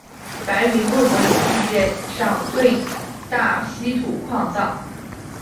白云鄂博有世界上最大稀土矿藏。